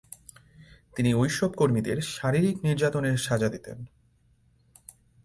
তিনি ওইসব কর্মীদের শারীরিক নির্যাতনের সাজা দিতেন।